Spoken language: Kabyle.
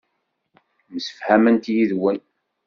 Msefhament yid-wen.